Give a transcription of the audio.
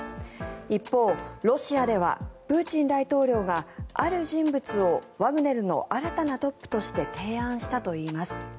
一方、ロシアではプーチン大統領が、ある人物をワグネルの新たなトップとして提案したといいます。